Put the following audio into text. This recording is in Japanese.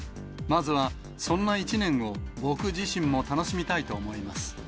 まずは、そんな１年を僕自身も楽しみたいと思います。